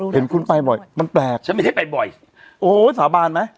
อยากรู้ที่นี่ได้คุณไปแต่ไม่ได้ไปบ่อยโอ้ยสาบานไหม